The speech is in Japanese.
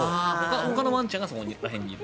ほかのワンちゃんがそこら辺にいる？